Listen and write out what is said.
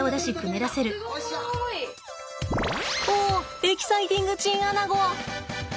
エキサイティングチンアナゴ。